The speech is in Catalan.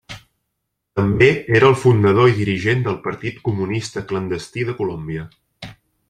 També era el fundador i dirigent del Partit Comunista Clandestí de Colòmbia.